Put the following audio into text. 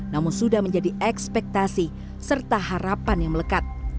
namun sudah menjadi ekspektasi serta harapan yang melekat